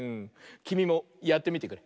きみもやってみてくれ。